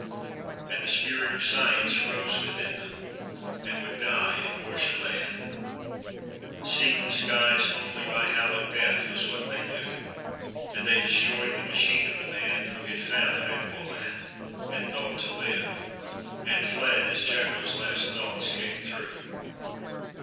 And the spirit of science froze within them, and would die in Mortia land. "Seek the skies only by hallowed Death" was what they knew. And they destroyed the machine of the man who had found Venquil land and thought to live and fled as Jeko's last thoughts came through.